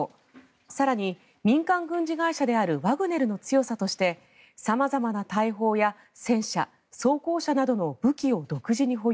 更に民間軍事会社であるワグネルの強さとして様々な大砲や戦車装甲車などの武器を独自に保有。